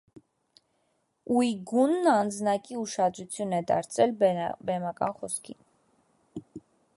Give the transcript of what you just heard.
Ույգունն առանձնակի ուշադրություն է դարձրել բեմական խոսքին։